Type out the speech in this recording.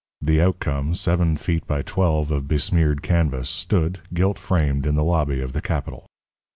The outcome, seven feet by twelve of besmeared canvas, stood, gilt framed, in the lobby of the Capitol.